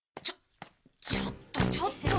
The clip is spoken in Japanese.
ちょっとちょっと。